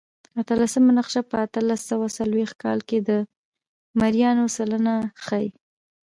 اتلسمه نقشه په اتلس سوه څلوېښت کال کې د مریانو سلنه ښيي.